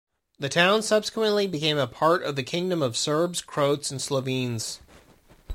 The town subsequently became a part of the Kingdom of Serbs, Croats and Slovenes.